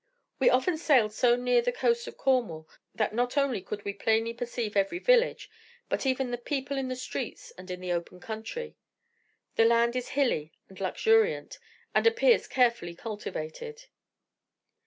We often sailed so near the coast of Cornwall, that not only could we plainly perceive every village, but even the people in the streets and in the open country. The land is hilly and luxuriant, and appears carefully cultivated.